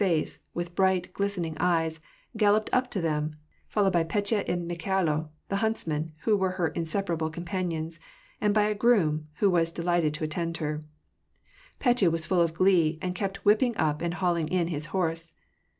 face, with bright, glistening eyes, galloped up to them, followed by Petja and Mikhailo, the huntsman, who were her inseparable companions, and by a groom, who was delegated to attend her. Petya was full of glee, and kept whipping up and hauling in his horse.